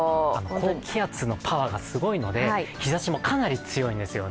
高気圧のパワーがすごいので、日ざしもかなり強いんですよね。